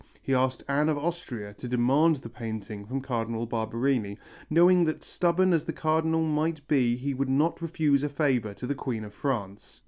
He asked Anne of Austria to demand the painting from Cardinal Barberini, knowing that stubborn as the Cardinal might be he would not refuse a favour to the Queen of France.